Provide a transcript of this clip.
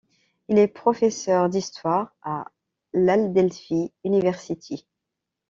Il est professeur d'histoire à l'Adelphi University.